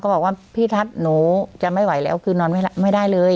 บอกว่าพี่ทัศน์หนูจะไม่ไหวแล้วคือนอนไม่ได้เลย